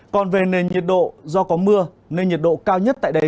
còn về nền nhiệt độ do có mưa nên nhiệt độ cao nhất tại đây